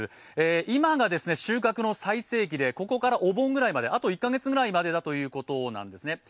今が収穫の最盛期でここからお盆くらいまで、あと１か月くらいだということです。